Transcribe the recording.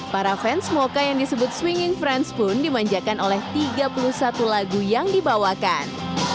para fans mocha yang disebut swinging friends pun dimanjakan oleh tiga puluh satu lagu yang dibawakan